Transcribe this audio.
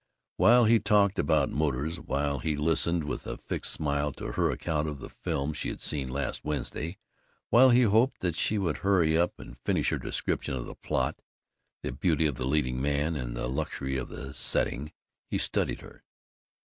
While he talked about motors, while he listened with a fixed smile to her account of the film she had seen last Wednesday, while he hoped that she would hurry up and finish her description of the plot, the beauty of the leading man, and the luxury of the setting, he studied her.